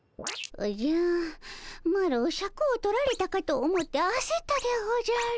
おじゃマロシャクを取られたかと思ってあせったでおじゃる。